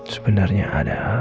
sebenarnya ada apa ini ya